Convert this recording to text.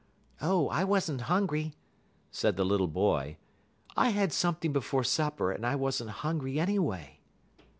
"Oh, I wasn't hungry," said the little boy. "I had something before supper, and I wasn't hungry anyway."